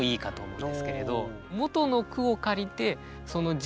うん。